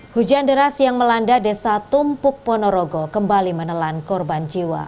hujan deras yang melanda desa tumpuk ponorogo kembali menelan korban jiwa